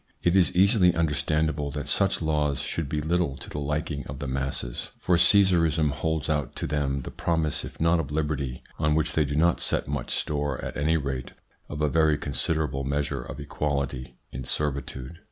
It is easily understandable that such laws should be little to the liking of the masses, for Caesarism holds out to them the promise if not of liberty, on which they do not set much store, at any rate of a very considerable measure of equality in servitude.